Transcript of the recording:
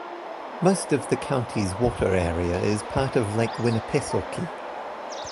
Most of the county's water area is part of Lake Winnipesaukee.